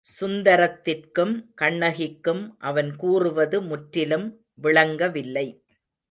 சுந்தரத்திற்கும் கண்ணகிக்கும் அவன் கூறுவது முற்றிலும் விளங்கவில்லை.